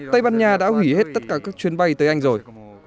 tây ban nha đã hủy hết tất cả các chuyến bay tới anh rồi